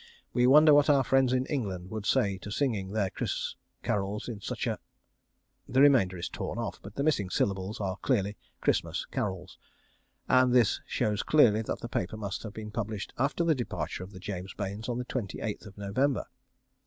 We wonder what our friends in England would say to singing their Ch... rols in such a.... The remainder is torn off, but the missing syllables are clearly Ch_ristmas Ca_rols, and this shows clearly that the paper must have been published after the departure of the James Baines on the 28th November.